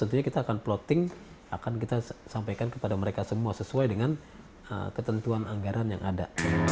tentunya kita akan plotting akan kita sampaikan kepada mereka semua sesuai dengan ketentuan anggaran yang ada